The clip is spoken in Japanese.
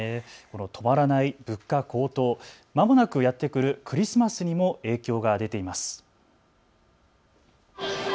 止まらない物価高騰、まもなくやってくるクリスマスにも影響が出ています。